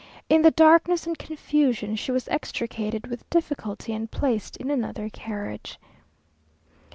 In the darkness and confusion she was extricated with difficulty, and placed in another carriage.